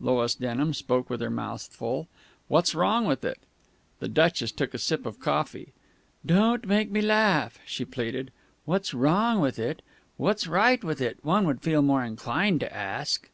Lois Denham spoke with her mouth full. "What's wrong with it?" The Duchess took a sip of coffee. "Don't make me laugh!" she pleaded. "What's wrong with it? What's right with it, one would feel more inclined to ask!"